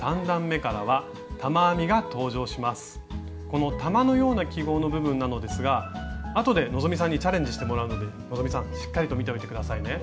この玉のような記号の部分なのですがあとで希さんにチャレンジしてもらうので希さんしっかりと見ておいて下さいね。